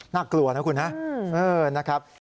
น่ากลัวนะคุณนะนะครับ